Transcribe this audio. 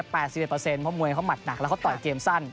เพราะมวยเขาหมัดหนักแล้วเขาต่อยเกมสั้น